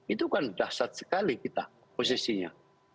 itu kan dahsyat sekali kita posisinya